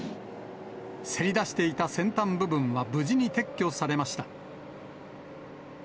せり出していた先端部分は無事に撤去されました。